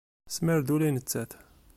Tesmar-d ula i nettat.